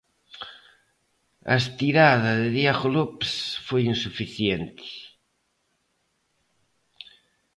A estirada de Diego López foi insuficiente.